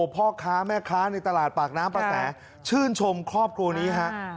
พ่อค้าแม่ค้าในตลาดปากน้ำประแสชื่นชมครอบครัวนี้ฮะ